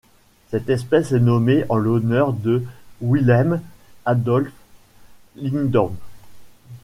Cette espèce est nommée en l'honneur de Wilhelm Adolf Lindholm.